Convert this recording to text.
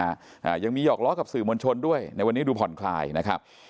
อ่ายังมีหอกล้อกับสื่อมวลชนด้วยในวันนี้ดูผ่อนคลายนะครับ